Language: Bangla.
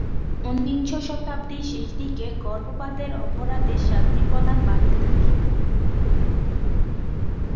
উনবিংশ শতাব্দীর শেষ দিকে গর্ভপাতের অপরাধে শাস্তি প্রদান বাড়তে থাকে।